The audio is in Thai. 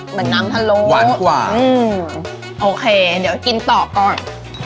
เหมือนน้ำพะโลหวานกว่าอืมโอเคเดี๋ยวกินต่อก่อน